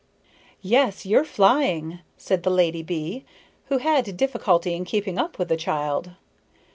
"Yes, you're flying," said the lady bee, who had difficulty in keeping up with the child.